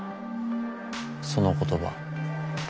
その言葉。